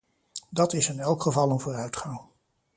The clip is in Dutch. Dat is in elk geval een vooruitgang.